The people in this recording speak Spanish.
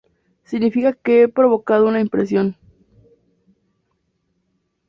Significa que he provocado una impresión".